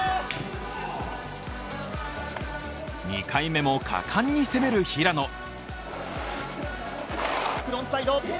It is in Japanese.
２回目も果敢に攻める平野。